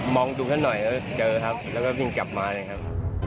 ดูกันหน่อยแล้วเจอครับแล้วก็วิ่งกลับมาเลยครับ